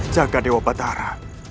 jaga dewa batara